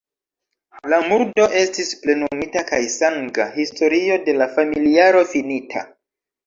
La murdo estis plenumita kaj sanga historio de la familiaro finita.